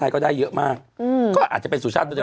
ก็อาจจะเป็นสู่ชาติ